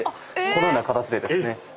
このような形でですね。